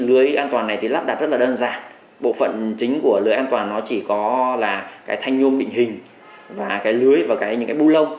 lưới an toàn này thì lắp đặt rất là đơn giản bộ phận chính của lưới an toàn nó chỉ có là cái thanh nhôm định hình và cái lưới và cái những cái bu lông